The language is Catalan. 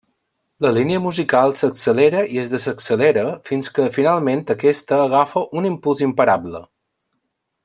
La línia musical s'accelera i es desaccelera fins que finalment aquesta agafa un impuls imparable.